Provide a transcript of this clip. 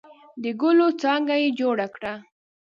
د ګلو څانګه یې جوړه کړه.